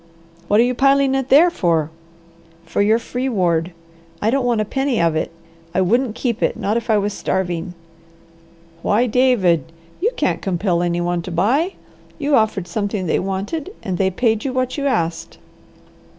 "What are you piling it there for?" "For your free ward. I don't want a penny of it. I wouldn't keep it, not if I was starving." "Why David! You couldn't compel any one to buy. You offered something they wanted, and they paid you what you asked."